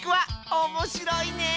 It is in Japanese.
おもしろいね！